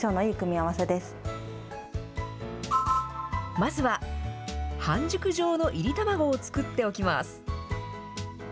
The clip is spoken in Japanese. まずは、半熟状のいり卵を作っておきます。